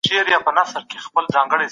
روښانه فکر ځواک نه ځنډوي.